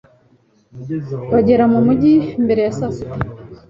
bagera mu mujyi mbere ya saa sita